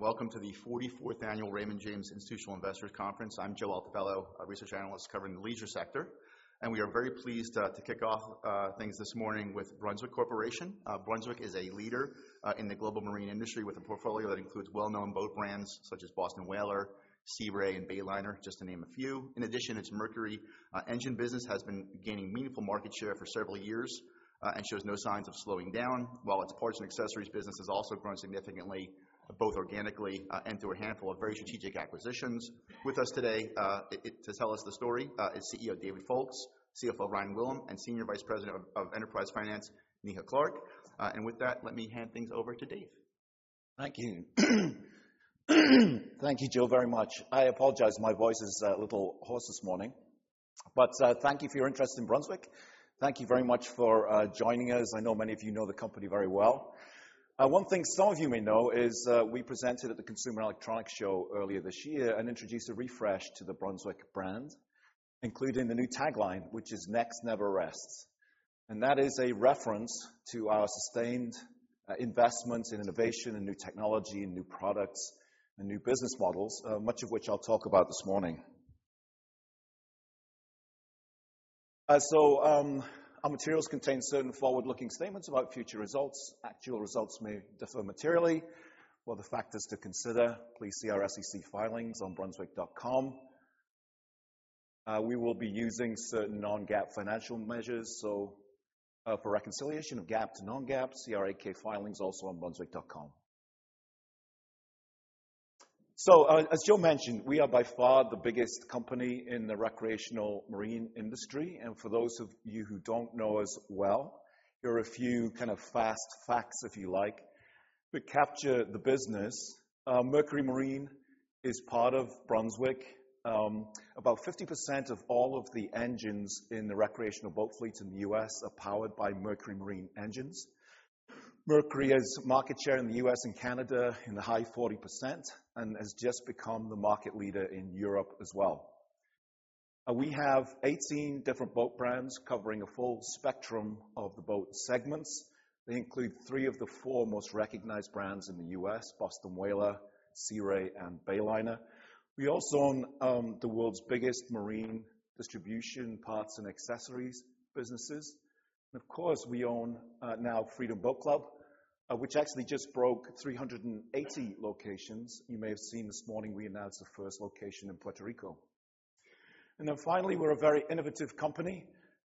Welcome to the 44th annual Raymond James Institutional Investors Conference. I'm Joseph Altobello, a research analyst covering the leisure sector, and we are very pleased to kick off things this morning with Brunswick Corporation. Brunswick is a leader in the global marine industry with a portfolio that includes well-known boat brands such as Boston Whaler, Sea Ray, and Bayliner, just to name a few. In addition, its Mercury engine business has been gaining meaningful market share for several years and shows no signs of slowing down. While its parts and accessories business has also grown significantly, both organically and through a handful of very strategic acquisitions. With us today to tell us the story is CEO David Foulkes, CFO Ryan Gwillim, and Senior Vice President of Enterprise Finance, Neha Clark. With that, let me hand things over to Dave. Thank you. Thank you, Joe, very much. I apologize, my voice is a little hoarse this morning. Thank you for your interest in Brunswick. Thank you very much for joining us. I know many of you know the company very well. One thing some of you may know is we presented at the Consumer Electronics Show earlier this year and introduced a refresh to the Brunswick brand, including the new tagline, which is, "Next Never Rests." That is a reference to our sustained investments in innovation and new technology and new products and new business models, much of which I'll talk about this morning. Our materials contain certain forward-looking statements about future results. Actual results may differ materially. For the factors to consider, please see our SEC filings on brunswick.com. We will be using certain non-GAAP financial measures. For reconciliation of GAAP to non-GAAP, see our 8-K filings also on brunswick.com. As Joe mentioned, we are by far the biggest company in the recreational marine industry. For those of you who don't know us well, here are a few kind of fast facts, if you like, that capture the business. Mercury Marine is part of Brunswick. About 50% of all of the engines in the recreational boat fleets in the US are powered by Mercury Marine engines. Mercury has market share in the US and Canada in the high 40% and has just become the market leader in Europe as well. We have 18 different boat brands covering a full spectrum of the boat segments. They include three of the four most recognized brands in the U.S., Boston Whaler, Sea Ray, and Bayliner. We also own the world's biggest marine distribution parts and accessories businesses. Of course, we own now Freedom Boat Club, which actually just broke 380 locations. You may have seen this morning we announced the first location in Puerto Rico. Finally, we're a very innovative company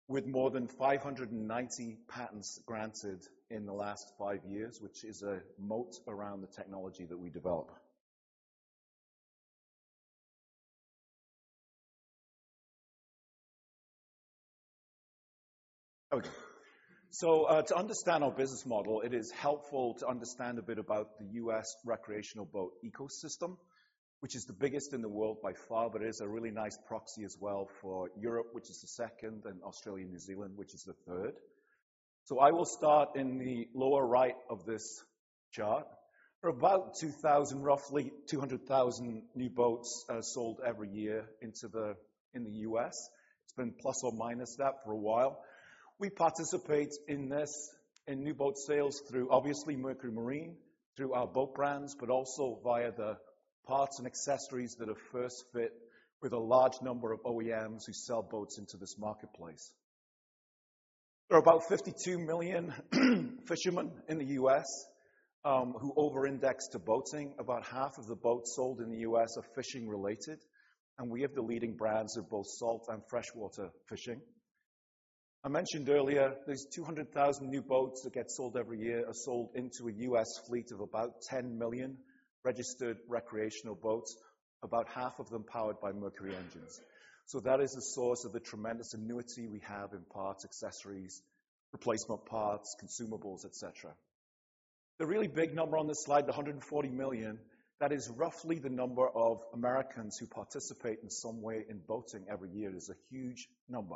with more than 590 patents granted in the last five years, which is a moat around the technology that we develop. Okay. To understand our business model, it is helpful to understand a bit about the U.S. recreational boat ecosystem, which is the biggest in the world by far, but is a really nice proxy as well for Europe, which is the second, and Australia and New Zealand, which is the third. I will start in the lower right of this chart. There are about 2,000, roughly 200,000 new boats sold every year in the U.S. It's been plus or minus that for a while. We participate in new boat sales through, obviously, Mercury Marine, through our boat brands, but also via the parts and accessories that are first fit with a large number of OEMs who sell boats into this marketplace. There are about 52 million fishermen in the U.S. who over-index to boating. About half of the boats sold in the U.S. are fishing related, and we have the leading brands of both salt and freshwater fishing. I mentioned earlier, these 200,000 new boats that get sold every year are sold into a U.S. fleet of about 10 million registered recreational boats, about half of them powered by Mercury engines. That is the source of the tremendous annuity we have in parts, accessories, replacement parts, consumables, et cetera. The really big number on this slide, the 140 million, that is roughly the number of Americans who participate in some way in boating every year. It is a huge number.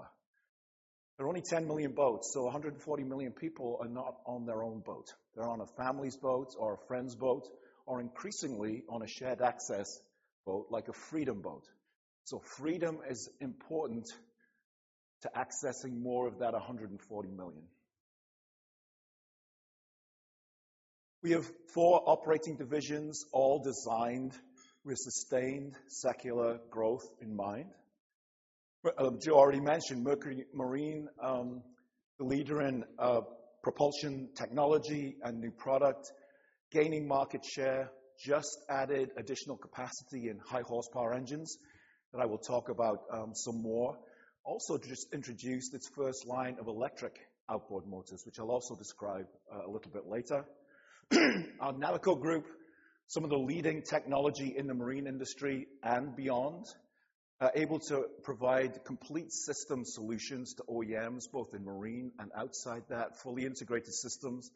There are only 10 million boats, 140 million people are not on their own boat. They're on a family's boat or a friend's boat, or increasingly on a shared access boat like a Freedom Boat. Freedom is important to accessing more of that 140 million. We have four operating divisions, all designed with sustained secular growth in mind. Joe already mentioned Mercury Marine, the leader in propulsion technology and new product, gaining market share, just added additional capacity in high horsepower engines that I will talk about some more. Also just introduced its first line of electric outboard motors, which I'll also describe a little bit later. Our Navico Group, some of the leading technology in the marine industry and beyond, are able to provide complete system solutions to OEMs, both in marine and outside that, fully integrated systems.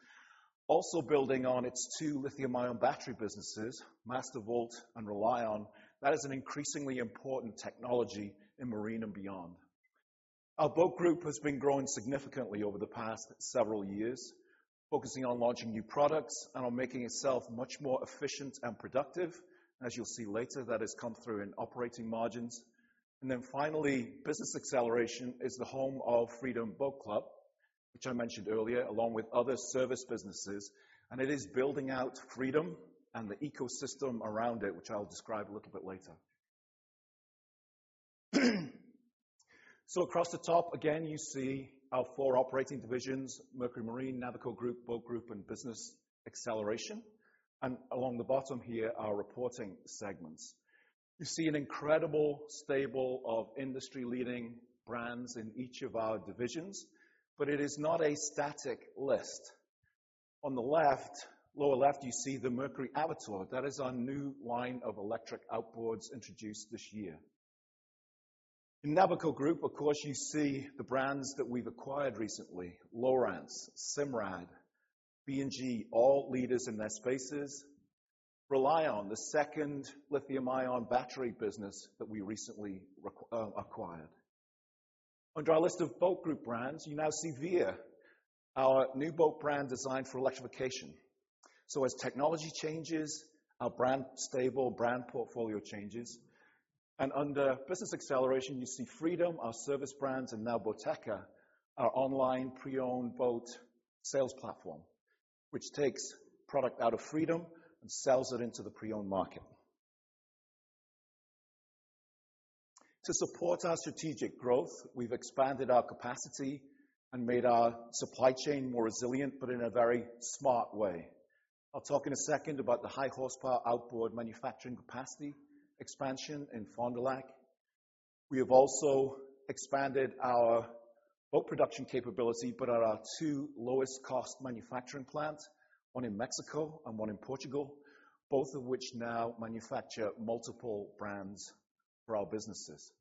Also building on its two lithium-ion battery businesses, Mastervolt and RELiON. That is an increasingly important technology in marine and beyond. Our Boat Group has been growing significantly over the past several years, focusing on launching new products and on making itself much more efficient and productive. As you'll see later, that has come through in operating margins. Finally, Business Acceleration is the home of Freedom Boat Club. Which I mentioned earlier, along with other service businesses, and it is building out Freedom and the ecosystem around it, which I'll describe a little bit later. Across the top again, you see our four operating divisions, Mercury Marine, Navico Group, Boat Group, and Business Acceleration. Along the bottom here, our reporting segments. You see an incredible stable of industry-leading brands in each of our divisions, but it is not a static list. On the left, lower left, you see the Mercury Avator. That is our new line of electric outboards introduced this year. In Navico Group, of course, you see the brands that we've acquired recently, Lowrance, Simrad, B&G, all leaders in their spaces. RELiON, the second lithium-ion battery business that we recently acquired. Under our list of Boat Group brands, you now see Veer, our new boat brand designed for electrification. As technology changes, our brand stable, brand portfolio changes. Under Business Acceleration, you see Freedom, our service brands, and now Boateka, our online pre-owned boat sales platform. Which takes product out of Freedom and sells it into the pre-owned market. To support our strategic growth, we've expanded our capacity and made our supply chain more resilient, but in a very smart way. I'll talk in a second about the high horsepower outboard manufacturing capacity expansion in Fond du Lac. We have also expanded our boat production capability, but at our 2 lowest cost manufacturing plants, one in Mexico and one in Portugal, both of which now manufacture multiple brands for our businesses.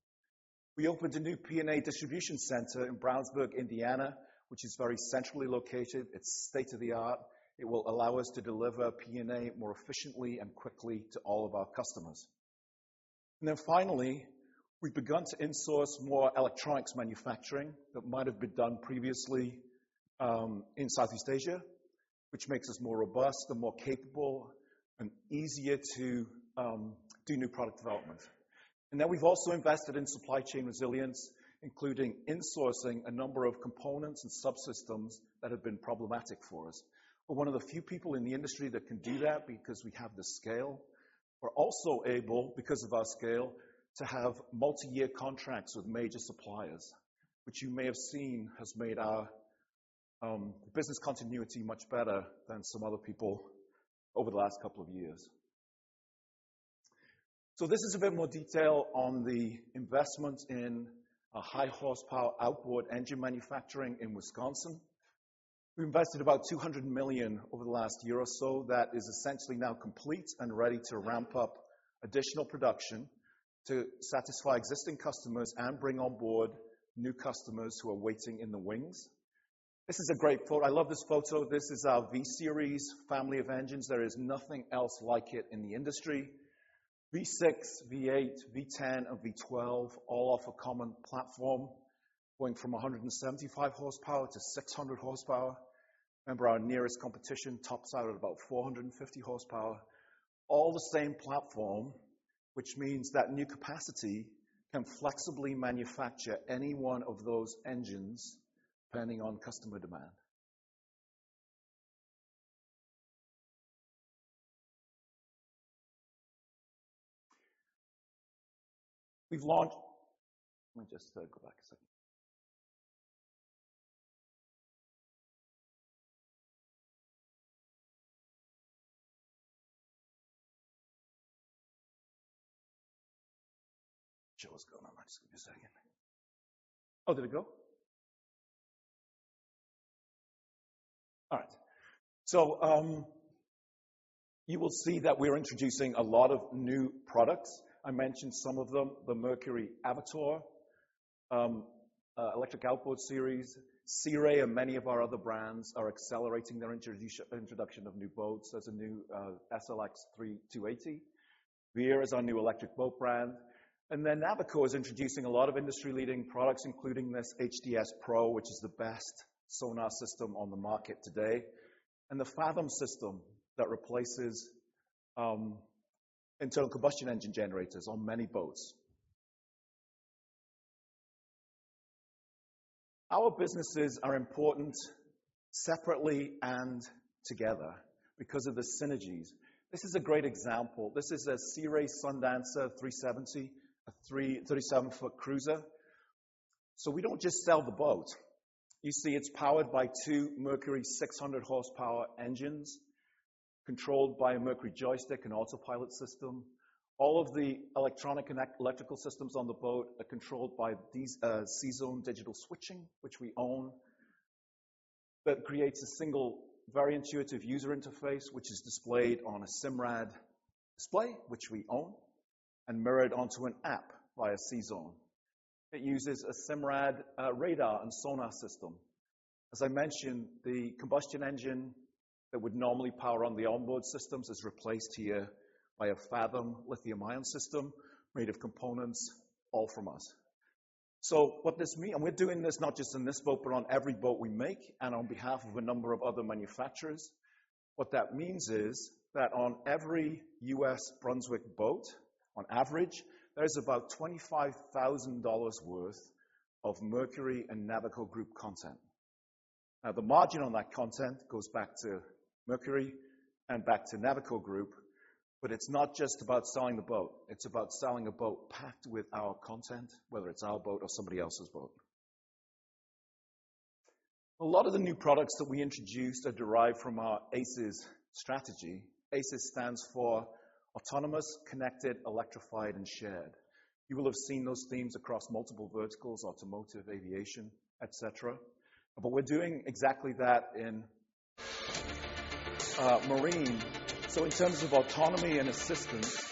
We opened a new P&A distribution center in Brownsburg, Indiana, which is very centrally located. It's state-of-the-art. It will allow us to deliver P&A more efficiently and quickly to all of our customers. Finally, we've begun to insource more electronics manufacturing that might have been done previously in Southeast Asia, which makes us more robust and more capable and easier to do new product development. We've also invested in supply chain resilience, including insourcing a number of components and subsystems that have been problematic for us. We're one of the few people in the industry that can do that because we have the scale. We're also able, because of our scale, to have multi-year contracts with major suppliers, which you may have seen has made our business continuity much better than some other people over the last couple of years. This is a bit more detail on the investment in a high horsepower outboard engine manufacturing in Wisconsin. We invested about $200 million over the last year or so. That is essentially now complete and ready to ramp up additional production to satisfy existing customers and bring on board new customers who are waiting in the wings. This is a great photo. I love this photo. This is our V-series family of engines. There is nothing else like it in the industry. V6, V8, V10, or V12, all off a common platform, going from 175 horsepower to 600 horsepower. Remember, our nearest competition tops out at about 450 horsepower. All the same platform, which means that new capacity can flexibly manufacture any one of those engines depending on customer demand. We've launched, Let me just go back a second. Not sure what's going on. Just give me a second. Oh, did it go? All right. You will see that we're introducing a lot of new products. I mentioned some of them, the Mercury Avator electric outboard series. Sea Ray and many of our other brands are accelerating their introduction of new boats. There's a new SLX 320. Veer is our new electric boat brand. Navico is introducing a lot of industry leading products, including this HDS Pro, which is the best sonar system on the market today, and the Fathom system that replaces internal combustion engine generators on many boats. Our businesses are important separately and together because of the synergies. This is a great example. This is a Sea Ray Sundancer 370, a 37-foot cruiser. We don't just sell the boat. You see it's powered by two Mercury 600 horsepower engines, controlled by a Mercury joystick and autopilot system. All of the electronic and electrical systems on the boat are controlled by these CZone digital switching, which we own. That creates a single, very intuitive user interface, which is displayed on a Simrad display, which we own, and mirrored onto an app via CZone. It uses a Simrad radar and sonar system. As I mentioned, the combustion engine that would normally power on the onboard systems is replaced here by a Fathom lithium-ion system made of components all from us. We're doing this not just on this boat, but on every boat we make, and on behalf of a number of other manufacturers. What that means is that on every U.S. Brunswick boat, on average, there is about $25,000 worth of Mercury and Navico Group content. The margin on that content goes back to Mercury and back to Navico Group, but it's not just about selling the boat, it's about selling a boat packed with our content, whether it's our boat or somebody else's boat. A lot of the new products that we introduced are derived from our ACES strategy. ACES stands for Autonomous, Connected, Electrified, and Shared. You will have seen those themes across multiple verticals, automotive, aviation, et cetera, but we're doing exactly that in marine. In terms of autonomy and assistance,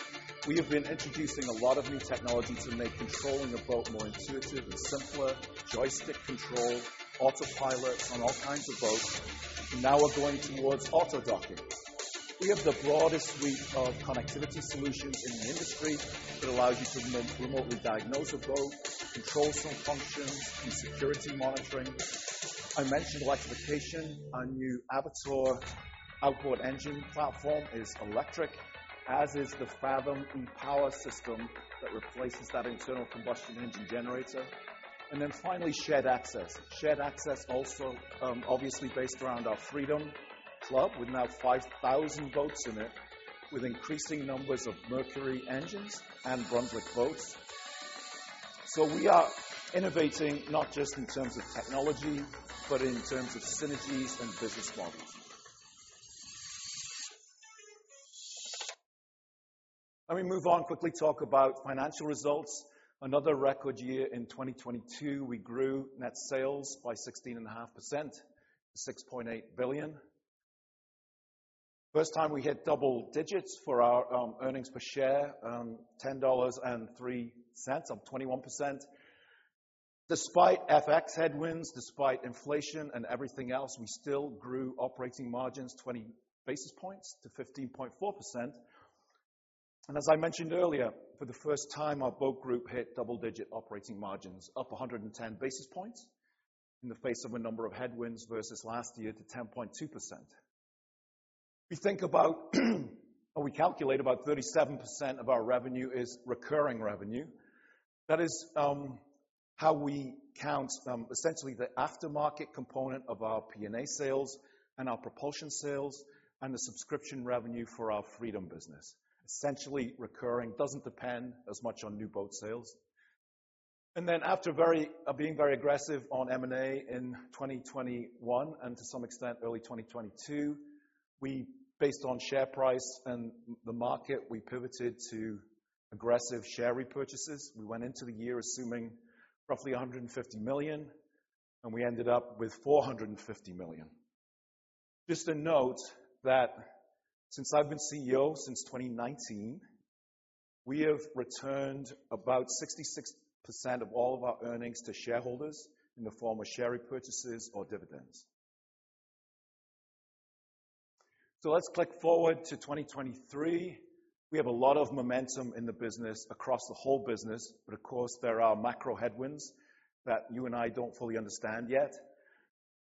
we have been introducing a lot of new technology to make controlling a boat more intuitive and simpler, joystick control, autopilots on all kinds of boats, and now we're going towards auto docking. We have the broadest suite of connectivity solutions in the industry that allows you to remotely diagnose a boat, control some functions, do security monitoring. I mentioned electrification. Our new Avator outboard engine platform is electric, as is the Fathom e-Power system that replaces that internal combustion engine generator. Finally, shared access. Shared access also, obviously based around our Freedom Boat Club, with now 5,000 boats in it, with increasing numbers of Mercury engines and Brunswick boats. We are innovating not just in terms of technology, but in terms of synergies and business models. Let me move on, quickly talk about financial results. Another record year in 2022, we grew net sales by 16.5% to $6.8 billion. First time we hit double digits for our earnings per share, $10.03, up 21%. Despite FX headwinds, despite inflation and everything else, we still grew operating margins 20 basis points to 15.4%. As I mentioned earlier, for the first time, our Boat Group hit double-digit operating margins, up 110 basis points in the face of a number of headwinds versus last year to 10.2%. We think about or we calculate about 37% of our revenue is recurring revenue. That is how we count essentially the aftermarket component of our P&A sales and our propulsion sales and the subscription revenue for our Freedom business. Essentially recurring, doesn't depend as much on new boat sales. Then after being very aggressive on M&A in 2021, and to some extent early 2022, we based on share price and the market, we pivoted to aggressive share repurchases. We went into the year assuming roughly $150 million, and we ended up with $450 million. Just to note that since I've been CEO since 2019, we have returned about 66% of all of our earnings to shareholders in the form of share repurchases or dividends. Let's click forward to 2023. We have a lot of momentum in the business across the whole business, but of course, there are macro headwinds that you and I don't fully understand yet.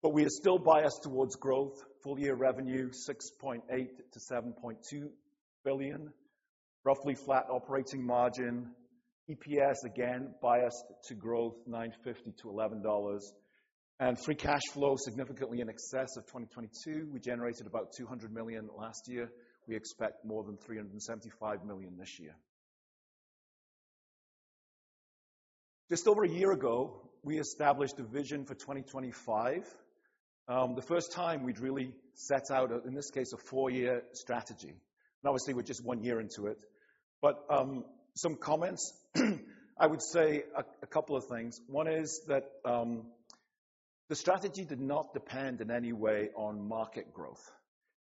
We are still biased towards growth, full year revenue, $6.8 billion-$7.2 billion, roughly flat operating margin. EPS, again biased to growth, $9.50-$11.00. Free cash flow significantly in excess of 2022. We generated about $200 million last year. We expect more than $375 million this year. Just over a year ago, we established a vision for 2025, the first time we'd really set out a four-year strategy. Obviously we're just one year into it. Some comments. I would say a couple of things. One is that the strategy did not depend in any way on market growth.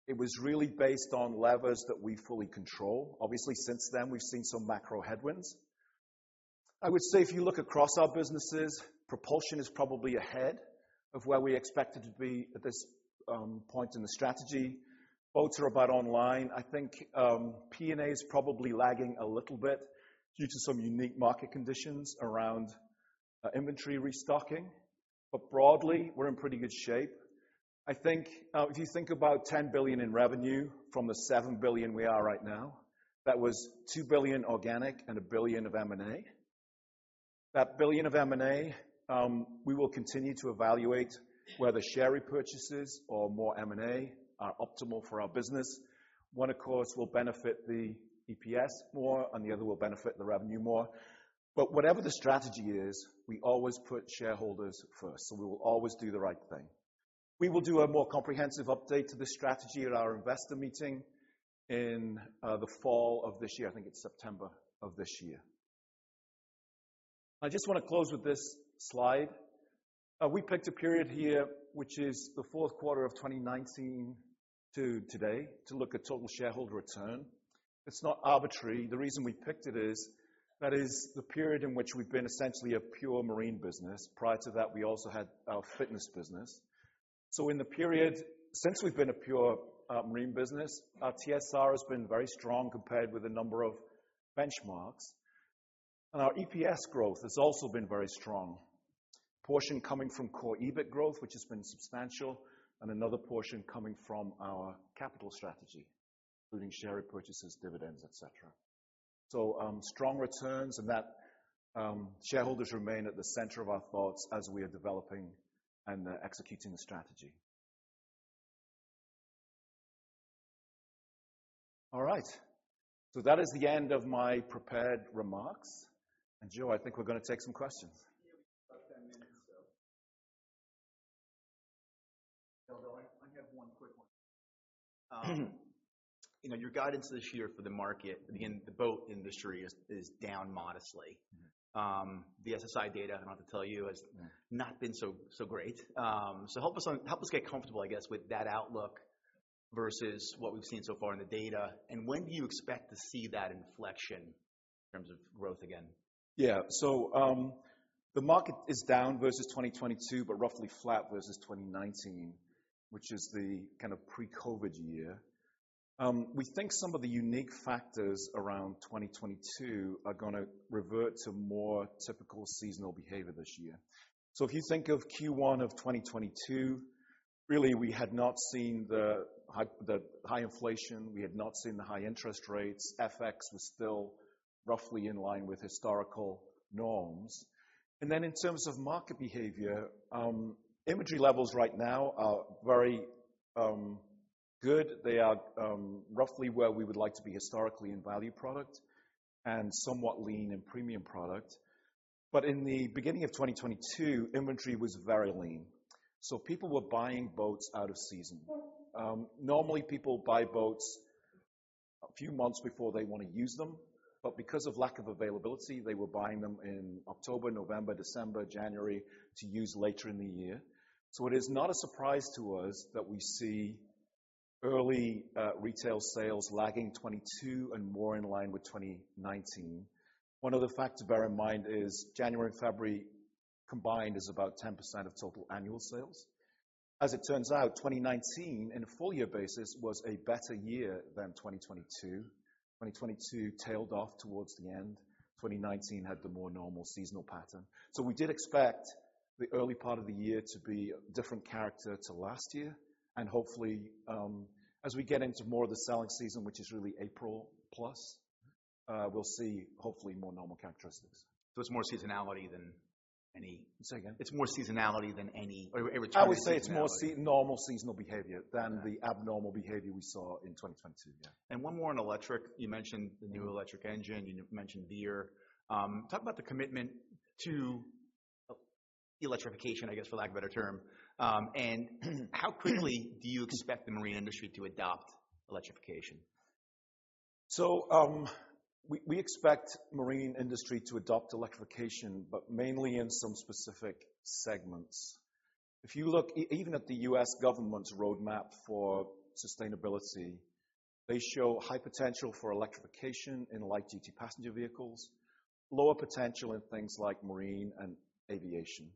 It was really based on levers that we fully control. Obviously, since then, we've seen some macro headwinds. I would say if you look across our businesses, propulsion is probably ahead of where we expected to be at this point in the strategy. Boats are about online. I think P&A is probably lagging a little bit due to some unique market conditions around inventory restocking. Broadly, we're in pretty good shape. I think if you think about $10 billion in revenue from the $7 billion we are right now, that was $2 billion organic and $1 billion of M&A. That $1 billion of M&A, we will continue to evaluate whether share repurchases or more M&A are optimal for our business. One, of course, will benefit the EPS more, and the other will benefit the revenue more. Whatever the strategy is, we always put shareholders first. We will always do the right thing. We will do a more comprehensive update to this strategy at our investor meeting in the fall of this year. I think it's September of this year. I just wanna close with this slide. We picked a period here, which is the fourth quarter of 2019 to today to look at total shareholder return. It's not arbitrary. The reason we picked it is that is the period in which we've been essentially a pure marine business. Prior to that, we also had our fitness business. In the period since we've been a pure marine business, our TSR has been very strong compared with a number of benchmarks, and our EPS growth has also been very strong. Portion coming from core EBIT growth, which has been substantial, and another portion coming from our capital strategy, including share repurchases, dividends, et cetera. Strong returns and that, shareholders remain at the center of our thoughts as we are developing and executing the strategy. All right. That is the end of my prepared remarks. Joe, I think we're gonna take some questions. We have about 10 minutes. I have one quick one. You know, your guidance this year for the market and again, the boat industry is down modestly. The SSI data, I don't have to tell you. Yeah. Not been so great. Help us, help us get comfortable, I guess, with that outlook versus what we've seen so far in the data. When do you expect to see that inflection in terms of growth again? Yeah. The market is down versus 2022, but roughly flat versus 2019, which is the kind of pre-COVID year. We think some of the unique factors around 2022 are gonna revert to more typical seasonal behavior this year. If you think of Q1 of 2022, really we had not seen the high inflation, we had not seen the high interest rates. FX was still roughly in line with historical norms. In terms of market behavior, inventory levels right now are very good. They are roughly where we would like to be historically in value product and somewhat lean in premium product. In the beginning of 2022, inventory was very lean, so people were buying boats out of season. Normally people buy boats a few months before they want to use them, but because of lack of availability, they were buying them in October, November, December, January to use later in the year. It is not a surprise to us that we see early retail sales lagging 2022 and more in line with 2019. One other fact to bear in mind is January and February combined is about 10% of total annual sales. As it turns out, 2019 in a full year basis was a better year than 2022. 2022 tailed off towards the end. 2019 had the more normal seasonal pattern. We did expect the early part of the year to be a different character to last year. Hopefully, as we get into more of the selling season, which is really April plus, we'll see hopefully more normal characteristics. It's more seasonality than any-. Say again? It's more seasonality than. I would say it's more normal seasonal behavior than the abnormal behavior we saw in 2022. Yeah. One more on electric. You mentioned the new electric engine. You mentioned Veer. Talk about the commitment to electrification, I guess, for lack of a better term. How quickly do you expect the marine industry to adopt electrification? We expect marine industry to adopt electrification, but mainly in some specific segments. If you look even at the U.S. government's roadmap for sustainability, they show high potential for electrification in light duty passenger vehicles, lower potential in things like marine and aviation.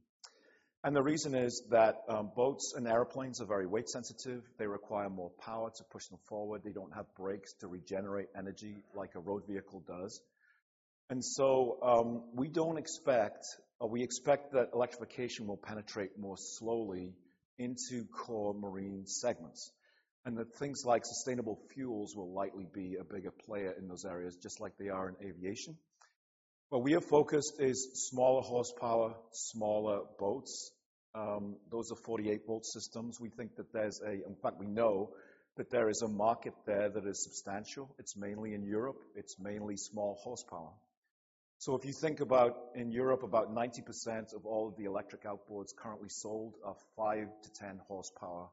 The reason is that boats and airplanes are very weight sensitive. They require more power to push them forward. They don't have brakes to regenerate energy like a road vehicle does. We expect that electrification will penetrate more slowly into core marine segments, and that things like sustainable fuels will likely be a bigger player in those areas, just like they are in aviation. Where we are focused is smaller horsepower, smaller boats. Those are 48 volt systems. We think that there's a. In fact, we know that there is a market there that is substantial. It's mainly in Europe, it's mainly small horsepower. If you think about in Europe, about 90% of all of the electric outboards currently sold are 5-10 horsepower.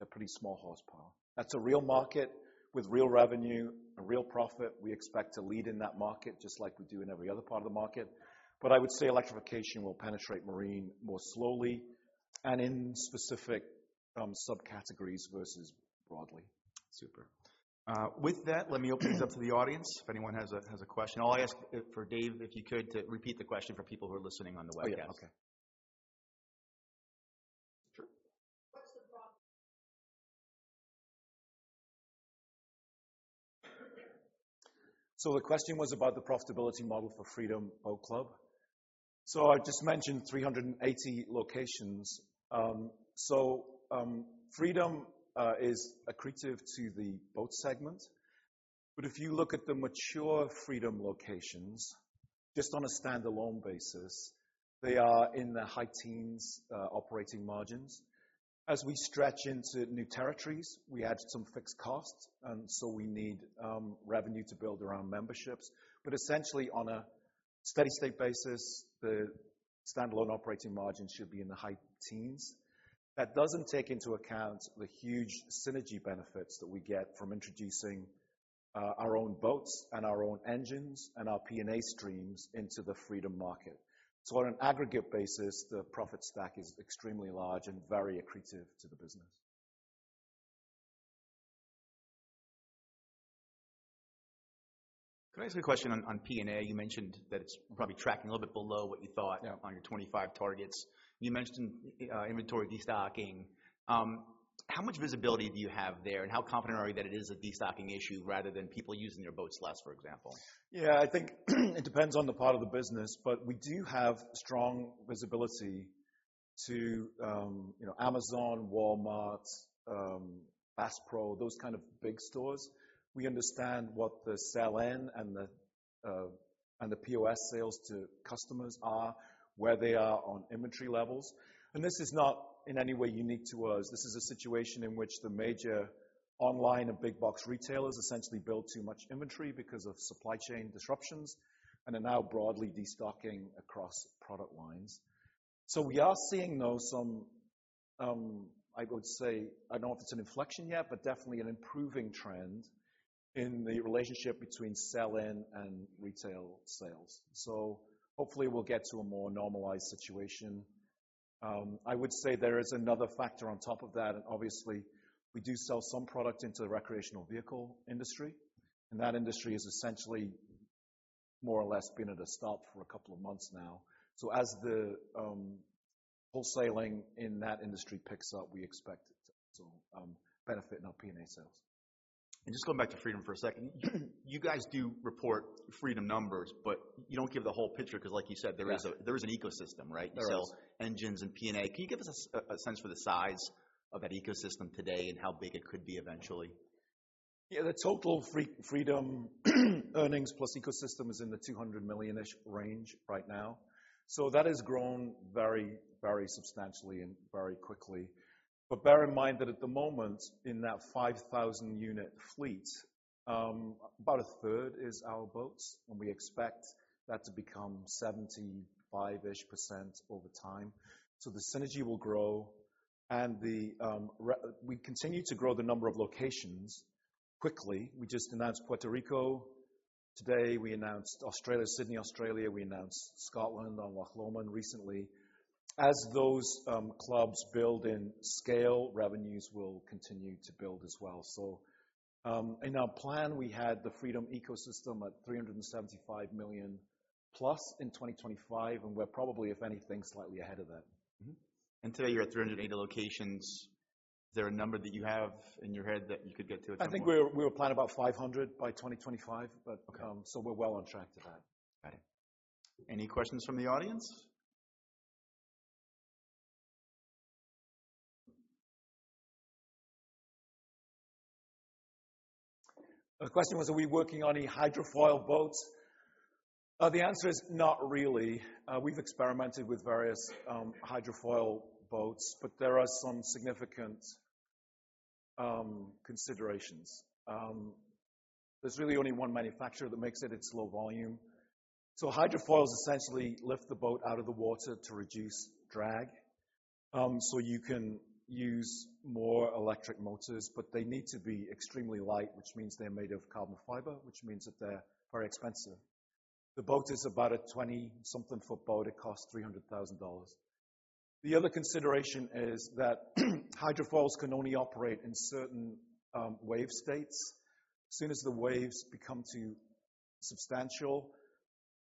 They're pretty small horsepower. That's a real market with real revenue and real profit. We expect to lead in that market just like we do in every other part of the market. I would say electrification will penetrate marine more slowly and in specific subcategories versus broadly. Super. With that, let me open this up to the audience if anyone has a question. I'll ask for Dave, if you could, to repeat the question for people who are listening on the webcast. Oh, yeah. Okay. Sure. The question was about the profitability model for Freedom Boat Club. I just mentioned 380 locations. Freedom is accretive to the boat segment, but if you look at the mature Freedom locations, just on a standalone basis, they are in the high teens operating margins. As we stretch into new territories, we add some fixed costs, and so we need revenue to build around memberships. Essentially, on a steady state basis, the standalone operating margin should be in the high teens. That doesn't take into account the huge synergy benefits that we get from introducing our own boats and our own engines and our P&A streams into the Freedom market. On an aggregate basis, the profit stack is extremely large and very accretive to the business. Can I ask you a question on P&A? You mentioned that it's probably tracking a little bit below what you thought. Yeah. On your 25 targets. You mentioned inventory destocking. How much visibility do you have there, and how confident are you that it is a destocking issue rather than people using their boats less, for example? Yeah, I think it depends on the part of the business, but we do have strong visibility to, you know, Amazon, Walmart, Bass Pro, those kind of big stores. We understand what the sell-in and the and the POS sales to customers are, where they are on inventory levels. This is not in any way unique to us. This is a situation in which the major online and big box retailers essentially build too much inventory because of supply chain disruptions and are now broadly destocking across product lines. We are seeing, though, some, I would say, I don't know if it's an inflection yet, but definitely an improving trend in the relationship between sell-in and retail sales. Hopefully we'll get to a more normalized situation. I would say there is another factor on top of that. Obviously, we do sell some product into the recreational vehicle industry. That industry is essentially more or less been at a stop for a couple of months now. As the wholesaling in that industry picks up, we expect it to also benefit in our P&A sales. Just going back to Freedom for a second. You guys do report Freedom numbers, but you don't give the whole picture because like you said. Yeah. There is an ecosystem, right? There is. You sell engines and P&A. Can you give us a sense for the size of that ecosystem today and how big it could be eventually? The total Freedom earnings plus ecosystem is in the $200 million-ish range right now. That has grown very, very substantially and very quickly. Bear in mind that at the moment, in that 5,000 unit fleet, about a third is our boats, and we expect that to become 75-ish% over time. The synergy will grow and we continue to grow the number of locations quickly. We just announced Puerto Rico. Today we announced Australia, Sydney, Australia, we announced Scotland on Loch Lomond recently. As those clubs build in scale, revenues will continue to build as well. In our plan, we had the Freedom ecosystem at $375 million plus in 2025, and we're probably, if anything, slightly ahead of that. Today you're at 380 locations. Is there a number that you have in your head that you could get to at some point? I think we were planning about 500 by 2025. Okay. We're well on track to that. Got it. Any questions from the audience? The question was, are we working on any hydrofoil boats? The answer is not really. We've experimented with various hydrofoil boats, but there are some significant considerations. There's really only one manufacturer that makes it. It's low volume. Hydrofoils essentially lift the boat out of the water to reduce drag, so you can use more electric motors, but they need to be extremely light, which means they're made of carbon fiber, which means that they're very expensive. The boat is about a 20-something foot boat. It costs $300,000. The other consideration is that hydrofoils can only operate in certain wave states. As soon as the waves become too substantial,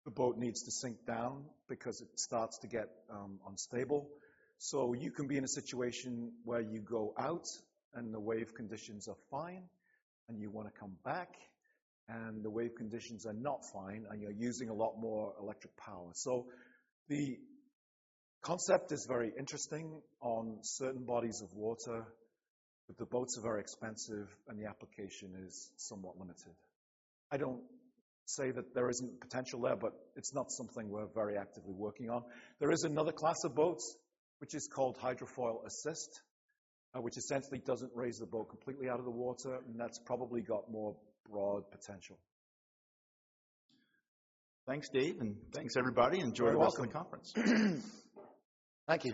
the boat needs to sink down because it starts to get unstable. You can be in a situation where you go out and the wave conditions are fine, and you wanna come back and the wave conditions are not fine, and you're using a lot more electric power. The concept is very interesting on certain bodies of water, but the boats are very expensive and the application is somewhat limited. I don't say that there isn't potential there, but it's not something we're very actively working on. There is another class of boats which is called hydrofoil assist, which essentially doesn't raise the boat completely out of the water, and that's probably got more broad potential. Thanks, Dave, and thanks everybody. Enjoy the rest of the conference. You're welcome. Thank you.